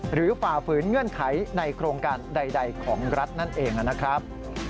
ฝ่าฝืนเงื่อนไขในโครงการใดของรัฐนั่นเองนะครับ